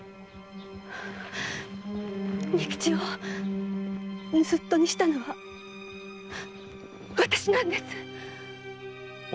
仁吉を盗っ人にしたのは私なんです！